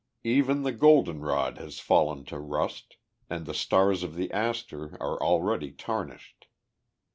Even the goldenrod has fallen to rust, and the stars of the aster are already tarnished.